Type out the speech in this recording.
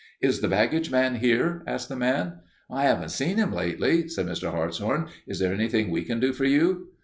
"Is the baggage man here?" asked the man. "I haven't seen him lately," said Mr. Hartshorn. "Is there anything we can do for you?"